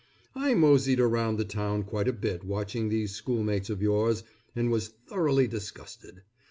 I moseyed around the town quite a bit watching these schoolmates of yours, and was thoroughly disgusted.